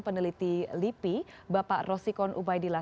peneliti lipi bapak rosikon ubaidillah